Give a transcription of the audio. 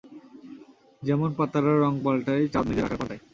যেমন পাতারা রঙ পালটায়, চাঁদ নিজের আকার পালটায়।